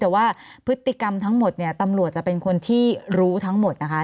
แต่ว่าพฤติกรรมทั้งหมดเนี่ยตำรวจจะเป็นคนที่รู้ทั้งหมดนะคะ